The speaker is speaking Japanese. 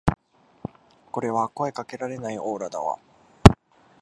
これは声かけられないオーラだわ